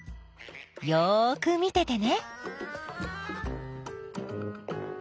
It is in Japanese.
よく見ててね。